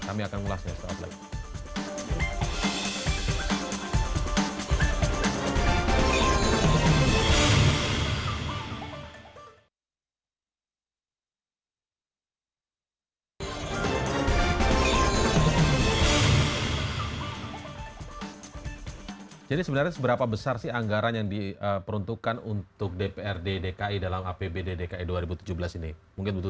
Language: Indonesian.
kami akan ulasnya setelah itu